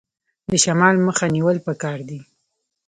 د شمال مخه نیول پکار دي؟